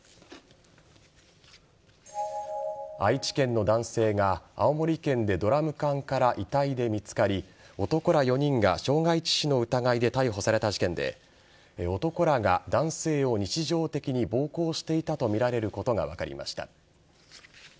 愛知県の男性が青森県でドラム缶から遺体で見つかり男ら４人が傷害致死の疑いで逮捕された事件で男らが男性を日常的に暴行していたとみられることが分かりました。